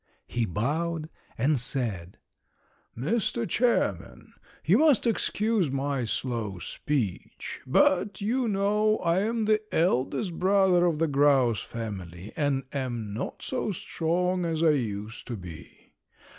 He bowed and said: "Mr. Chairman, you must excuse my slow speech, but you know I am the eldest brother of the grouse family and am not so strong as I used to be.